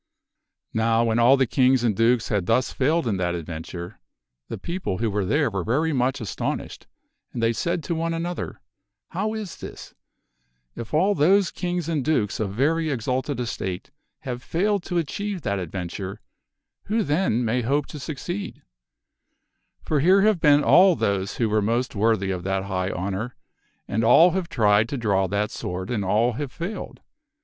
Now when all the kings and dukes had thus failed in that adventure, the people who were there were very much astonished, and they said to one another, " How is this ? If all those kings and dukes of very exalted estate have failed to achieve that adventure, who then may hope to suc ceed ? For here have been all those who were most worthy of that high honor, and all have tried to draw that sword and all have failed.